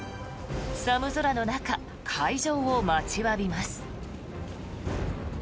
寒空の中、開場を待ちわびます。